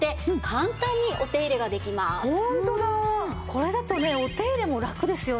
これだとねお手入れもラクですよね。